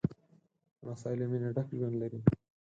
لمسی له مینې ډک ژوند لري.